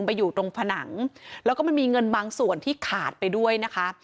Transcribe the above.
ไปอยู่ตรงผนังแล้วก็มันมีเงินบางส่วนที่ขาดไปด้วยนะคะ